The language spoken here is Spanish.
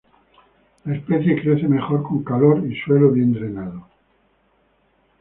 La especie crece mejor con calor y suelo bien drenado.